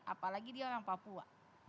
apalagi dia orang papua